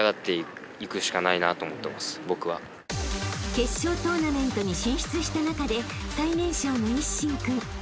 ［決勝トーナメントに進出した中で最年少の一心君］